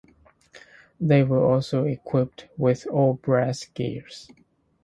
They were also equipped with all brass gears.